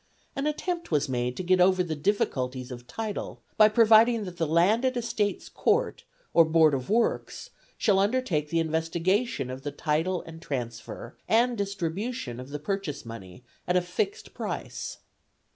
An attempt was made to get over the difficulties of title by providing that the Landed Estates Court or Board of Works shall undertake the investigation of the title and the transfer and distribution of the purchase money at a fixed price.